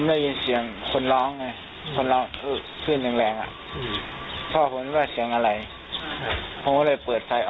ไม่ได้ยินเสียงใครเดินเข้ามาไม่ได้ยินเสียงธรรมอะไรอยู่เลย